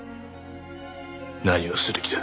何をする気だ？